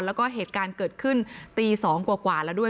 แล้วก็เหตุการณ์เกิดขึ้นตี๒กว่าแล้วด้วย